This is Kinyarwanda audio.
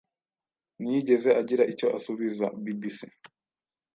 ntiyigeze agira icyo asubiza bbc